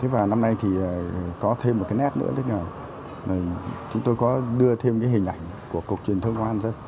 và năm nay thì có thêm một cái nét nữa chúng tôi có đưa thêm hình ảnh của cục truyền thông công an dân